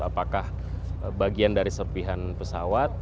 apakah bagian dari serpihan pesawat